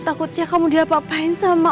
takutnya kamu diapapain sama